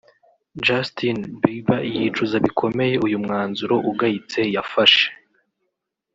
Justin Bieber yicuza bikomeye uyu mwanzuro ugayitse yafashe